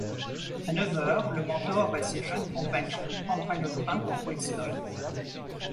À neuf heures, le mentor et ses jeunes compagnons prendraient le train pour Bristol.